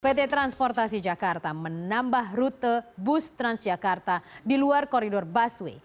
pt transportasi jakarta menambah rute bus transjakarta di luar koridor busway